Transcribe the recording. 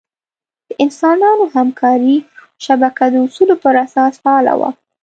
د انسانانو همکارۍ شبکه د اصولو پر اساس فعاله وه.